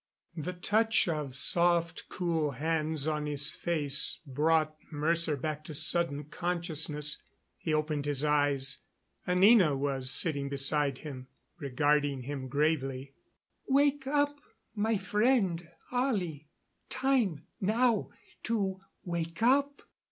The touch of soft, cool hands on his face brought Mercer back to sudden consciousness. He opened his eyes; Anina was sitting beside him, regarding him gravely. "Wake up, my friend Ollie. Time now to wake up."